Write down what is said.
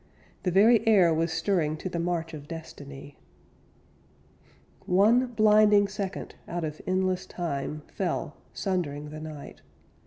The very air Was stirring to the march of Destiny. One blinding second out of endless time Fell, sundering the night.